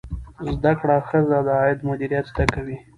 زده کړه ښځه د عاید مدیریت زده کوي.